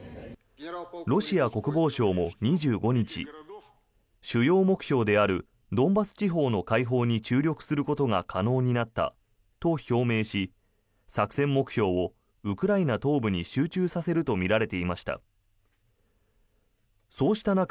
ロシア国防省も２５日主要目標であるドンバス地方の解放に注力することが可能になったと表明し作戦目標をウクライナ東部に集中させるとみられていました。